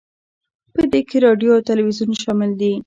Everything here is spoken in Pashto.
په دې کې راډیو او تلویزیون شامل دي